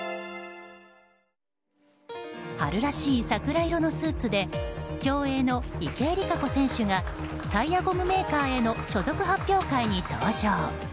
春らしい桜色のスーツで競泳の池江璃花子選手がタイヤゴムメーカーへの所属発表会に登場。